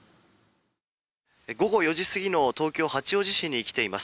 午後４時過ぎの東京・八王子市に来ています。